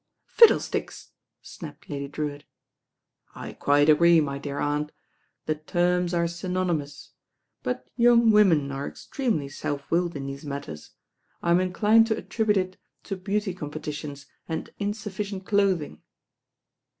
• "Fiddlesticks," snapped Lady Drewitt. "I quite agree, my dear aunt, the term* are^ synonymous; but young women are extremely self willed in these matters. Tm mcHned to attribute it to beauty competitions and insufficient clothing."